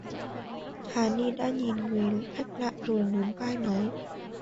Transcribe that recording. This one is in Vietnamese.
Hà Ni đã nhìn người khách lạ rồi nhún vai nói